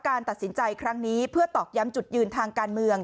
การตัดสินใจครั้งนี้เพื่อตอกย้ำจุดยืนทางการเมือง